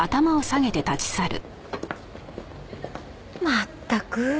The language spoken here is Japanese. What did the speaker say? まったく。